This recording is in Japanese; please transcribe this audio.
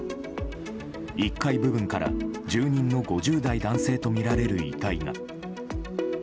１階部分から、住人の５０代男性とみられる遺体が。